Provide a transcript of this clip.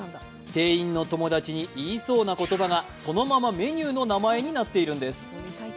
店員の友達に言いそうな言葉がそのままメニューの名前になっているんです。